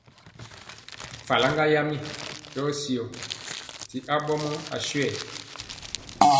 Faraŋga yam yɔɔ syɔ ti aɓɔmɔ aswɛɛ.